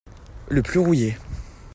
Le plus rouillé.